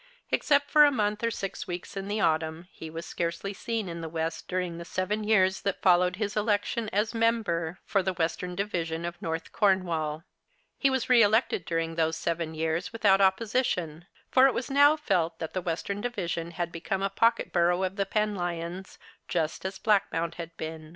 Except for a month or six weeks in the autumn, he was scarcely seen in the West during the seven years that followed his election as Member for the Western Division of North Cornwall. He was re elected during those seven years without opposition, for it was now felt that the Western Division had become a pocket borough of the Penlyons, just as Blackmount had been.